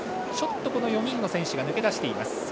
ちょっと先頭の４人の選手が抜け出しています。